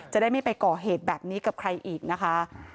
จะได้ไม่ไปก่อเหตุแบบนี้กับใครอีกนะคะ